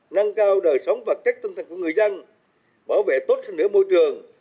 nâng cao đời sống và trách tân thân của người dân bảo vệ tốt hơn nửa môi trường